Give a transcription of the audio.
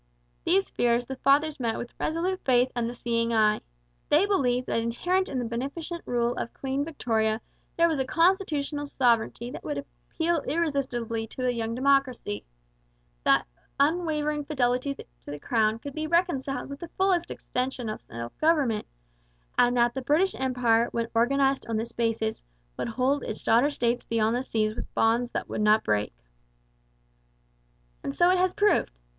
These fears the Fathers met with resolute faith and the seeing eye. They believed that inherent in the beneficent rule of Queen Victoria there was a constitutional sovereignty which would appeal irresistibly to a young democracy; that unwavering fidelity to the crown could be reconciled with the fullest extension of self government; and that the British Empire when organized on this basis would hold its daughter states beyond the seas with bonds that would not break. And so it has proved.